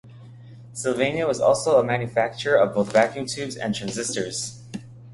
Sylvania was also a manufacturer of both vacuum tubes and transistors.